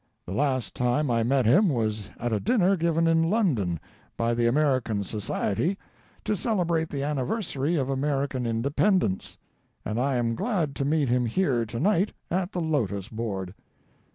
the last time I met him was at a dinner given in London by the American Society to celebrate the anniversary of American Independence, and I am glad to meet him here tonight at the Lotos board.